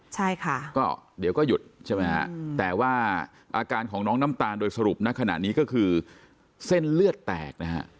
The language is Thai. ใช่ค่ะก็เดี๋ยวก็หยุดใช่ไหมฮะแต่ว่าอาการของน้องน้ำตาลโดยสรุปณขณะนี้ก็คือเส้นเลือดแตกนะฮะ